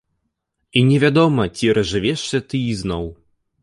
І невядома, ці разжывешся ты ізноў.